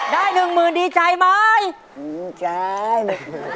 ได้๑หมื่นดีใจไหม